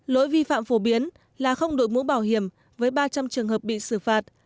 lỗi vi phạm phổ biến là không đội mũ bảo hiểm với ba trăm linh trường hợp bị xử phạt